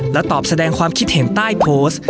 และตอบแสดงความคิดเห็นใต้โพสต์